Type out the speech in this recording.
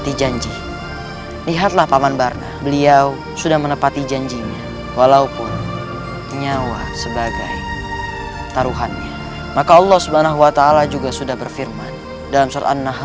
terima kasih guru